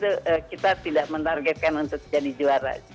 karena itu kita tidak menargetkan untuk jadi juara